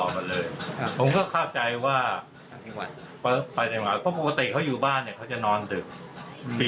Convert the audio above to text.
อย่างนั้นแต่ว่าเมื่อคืนก็ไม่ได้ยินเสียงอะไรเขาเลย